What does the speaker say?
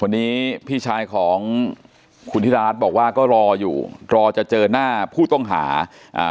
วันนี้พี่ชายของคุณธิราชบอกว่าก็รออยู่รอจะเจอหน้าผู้ต้องหาอ่า